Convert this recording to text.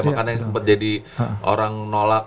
makanya sempet jadi orang nolak